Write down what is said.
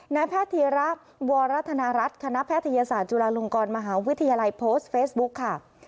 นายแพทย์ธีรักษ์วรธนรัฐคณะแพทยศาสตร์จุฬาลงกรมหาวิทยาลัยโพสต์เฟซบุ๊คค่ะ